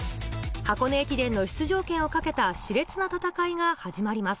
箱根駅伝の出場権をかけたし烈な戦いが始まります。